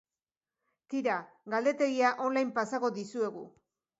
Tira, galdetegia online pasako dizuegu.